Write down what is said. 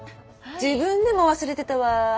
自分でも忘れてたわ。